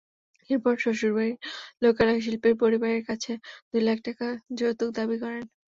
এরপর শ্বশুরবাড়ির লোকেরা শিল্পীর পরিবারের কাছে দুই লাখ টাকা যৌতুক দাবি করে।